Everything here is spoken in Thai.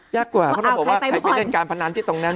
ยากกว่าเพราะเราบอกว่าใครไปเล่นการพนันที่ตรงนั้น